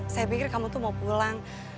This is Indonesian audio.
saya pikir kamu tuh mau pulang